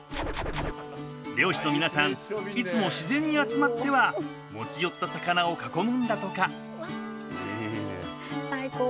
漁師の皆さんいつも自然に集まっては持ち寄った魚を囲むんだとか。